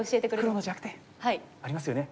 黒の弱点ありますよね。